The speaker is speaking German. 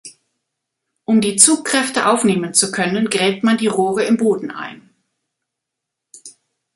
Um die Zugkräfte aufnehmen zu können, gräbt man die Rohre im Boden ein.